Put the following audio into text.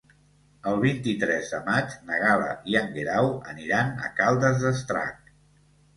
El vint-i-tres de maig na Gal·la i en Guerau aniran a Caldes d'Estrac.